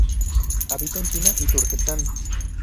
Habita en China y Turquestán.